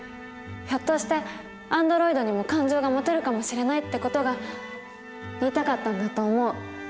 ひょっとしてアンドロイドにも感情が持てるかもしれない」って事が言いたかったんだと思う。